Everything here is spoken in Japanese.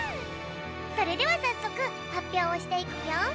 それではさっそくはっぴょうをしていくぴょん。